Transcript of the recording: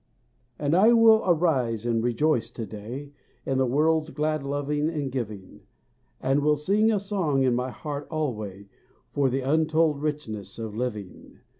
And I will arise and rejoice to day In the world's glad loving and giving. And will sing a song in my heart alway For the untold richness of living.